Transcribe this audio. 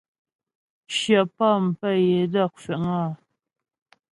Shyə pɔ̂m pə́ yə é dɔk fəŋ áa.